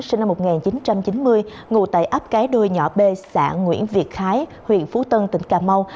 sinh năm một nghìn chín trăm chín mươi ngụ tại ấp cái đuôi nhỏ b xã nguyễn việt khái huyện phú tân tỉnh cà mau